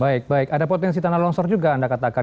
baik baik ada potensi tanah longsor juga anda katakan